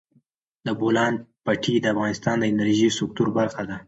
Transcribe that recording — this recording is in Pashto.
د بولان پټي د افغانستان د انرژۍ سکتور برخه ده.